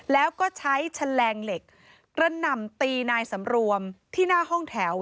แล้วก็ใช้แฉลงเหล็กกระหน่ำตีนายสำรวมที่หน้าห้องแถว